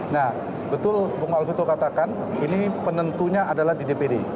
nah betul bung alvito katakan ini penentunya adalah di dpd